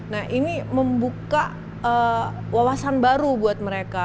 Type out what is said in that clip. nah ini membuka wawasan baru buat mereka